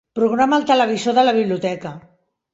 Programa el televisor de la biblioteca.